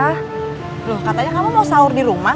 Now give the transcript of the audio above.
aduh katanya kamu mau sahur di rumah